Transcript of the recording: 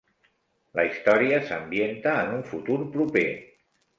La història s'ambienta en un futur proper.